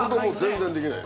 全然できない。